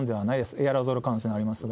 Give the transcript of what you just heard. エアロゾル感染ありますが。